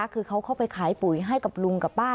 คือเขาเข้าไปขายปุ๋ยให้กับลุงกับป้า